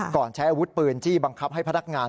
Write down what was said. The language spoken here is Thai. ใช้อาวุธปืนจี้บังคับให้พนักงาน